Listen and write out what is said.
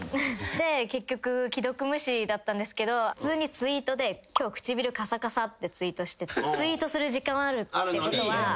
で結局既読無視だったんですけど普通にツイートで。ってツイートしててツイートする時間はあるってことは。